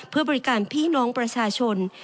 เพื่อบริการพี่น้องประชาชน